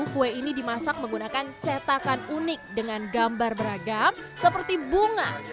kue ini dimasak menggunakan cetakan unik dengan gambar beragam seperti bunga